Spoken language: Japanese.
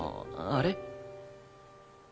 あれ？